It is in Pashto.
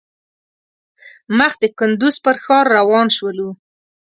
مخ د کندوز پر ښار روان شولو.